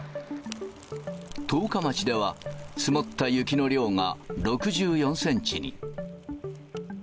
十日町では積もった雪の量が６４センチに。